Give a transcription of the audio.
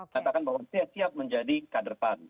katakan bahwa kita siap siap menjadi kader pan